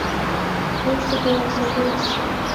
Кушто тудын совестьше?